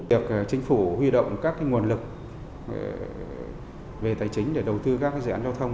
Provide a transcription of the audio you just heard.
được chính phủ huy động các nguồn lực về tài chính để đầu tư các dự án giao thông